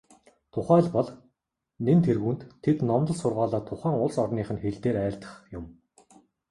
Тухайлбал, нэн тэргүүнд тэд номлол сургаалаа тухайн улс орных нь хэл дээр айлдах юм.